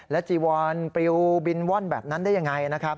จีวอนปริวบินว่อนแบบนั้นได้ยังไงนะครับ